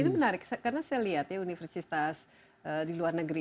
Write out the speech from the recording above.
ini menarik karena saya lihat ya universitas di luar negeri